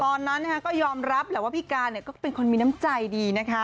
ตอนนั้นก็ยอมรับแหละว่าพี่การก็เป็นคนมีน้ำใจดีนะคะ